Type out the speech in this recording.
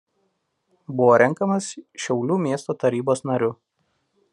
Buvo renkamas Šiaulių miesto tarybos nariu.